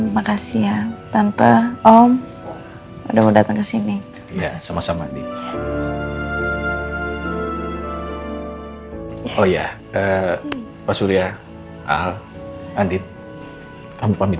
makasih ya tante om udah mau datang kesini iya sama sama oh iya pak surya al andin kamu pamit